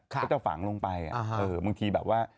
พระเจ้าฝังลงไปอ่ะมึงทีแบบว่า